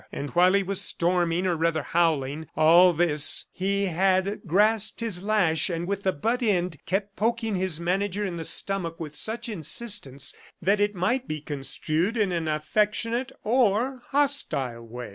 And while he was storming, or rather howling, all this, he had grasped his lash and with the butt end kept poking his manager in the stomach with such insistence that it might be construed in an affectionate or hostile way.